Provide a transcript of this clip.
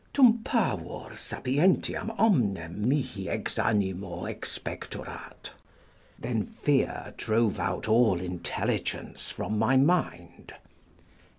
"Tum pavor sapientiam omnem mihiex animo expectorat." ["Then fear drove out all intelligence from my mind."